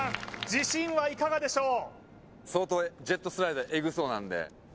自信はいかがでしょう？